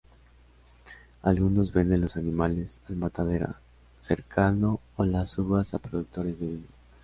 Algunos venden los animales al matadero cercano o las uvas a productores de vino.